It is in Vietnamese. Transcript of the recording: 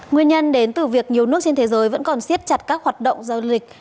nguyên nhân đến từ việc nhiều nước trên thế giới vẫn còn siết chặt các hoạt động giao dịch